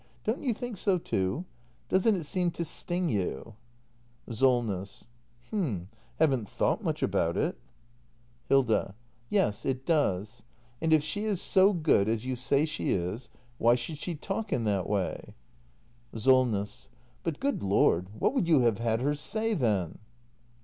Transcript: Don't you think so, too ? Doesn't it seem to sting you ? Solness. H'm — haven't thought much about it. 336 THE MASTER BUILDER [act ii Hilda. Yes, it does. And if she is so good — as you say she is — why should she talk in that way ? SOLNESS. But, good Lord, what would you have had her say, then?